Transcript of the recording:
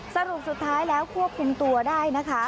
สรุปสุดท้ายแล้วควบคุมตัวได้นะคะ